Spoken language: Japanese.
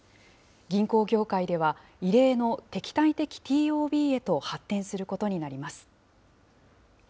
銀行業界では異例の敵対的ＴＯＢへと発展することになります。